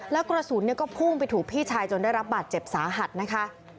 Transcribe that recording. แล้วกระสุนก็พุ่งไปถูกพี่ชายจนได้รับบาดเจ็บสาหัสนะคะ